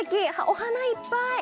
お花いっぱい。